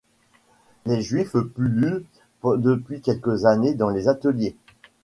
Les Juifs pullulent depuis quelques années dans les ateliers.